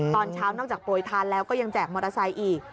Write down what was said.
ตอนเช้านอกจากโปรยทานแล้วก็ยังแจกมอเตอร์ไซค์อีก